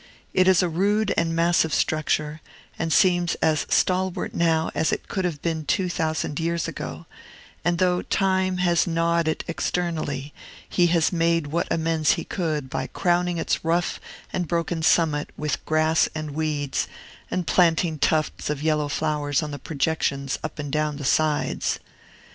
It is a rude and massive structure, and seems as stalwart now as it could have been two thousand years ago; and though Time has gnawed it externally, he has made what amends he could by crowning its rough and broken summit with grass and weeds, and planting tufts of yellow flowers on the projections up and down the sides.